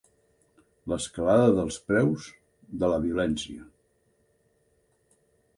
L'escalada dels preus, de la violència.